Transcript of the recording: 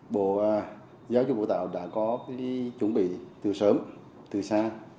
bộ giáo dục và tạo đã có chuẩn bị từ sớm từ xa